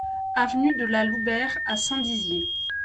Avenue de la Loubert à Saint-Dizier